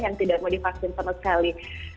yang tidak mau divaksin sama sekali